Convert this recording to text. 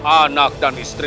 anak dan istri